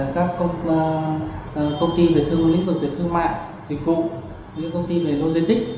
các công ty về lĩnh vực thương mạng dịch vụ công ty về logistic